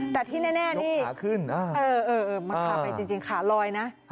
ดูขาขึ้น